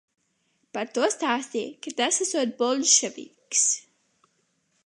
Par to stāstīja, ka tas esot boļševiks.